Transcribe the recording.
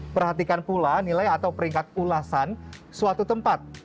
perhatikan pula nilai atau peringkat ulasan suatu tempat